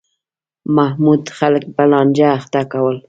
محمود خلک په لانجه اخته کول.